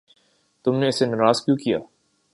تم نے اسے ناراض کیوں کیا؟